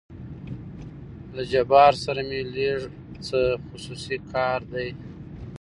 له جبار سره مې لېږ څه خصوصي کار دى.